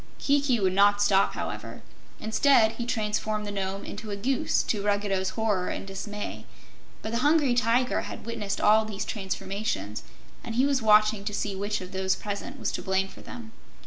Kiki would not stop, however. Instead, he transformed the Nome into a goose, to Ruggedo's horror and dismay. But the Hungry Tiger had witnessed all these transformations, and he was watching to see which of those present was to blame for them.